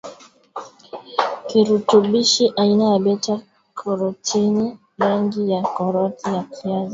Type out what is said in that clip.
kirutubishi aina ya beta karotini rangi ya karoti ya kiazi lishe